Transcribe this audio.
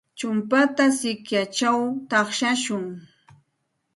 Chumpata sikyachaw paqashun.